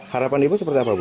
harapan ibu seperti apa bu